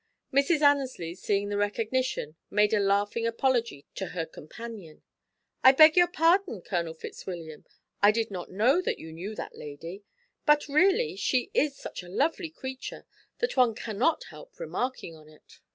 Mrs. Annesley, seeing the recognition, made a laughing apology to her companion. "I beg your pardon, Colonel Fitzwilliam, I did not know you knew that lady, but really, she is such a lovely creature that one cannot help remarking on it."